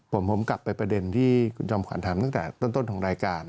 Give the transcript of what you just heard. ผมกลับไปประเด็นที่คุณจอมขวัญถามตั้งแต่ต้นของรายการ